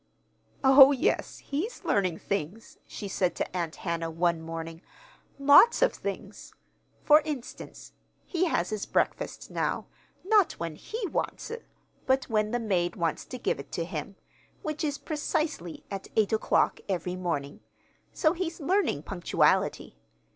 "Oh, yes, he's learning things," she said to Aunt Hannah, one morning; "lots of things. For instance: he has his breakfast now, not when he wants it, but when the maid wants to give it to him which is precisely at eight o'clock every morning. So he's learning punctuality.